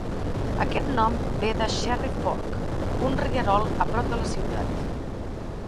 Aquest nom ve de Cherry Fork, un rierol a prop de la ciutat.